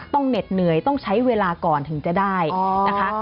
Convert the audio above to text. เหน็ดเหนื่อยต้องใช้เวลาก่อนถึงจะได้นะคะ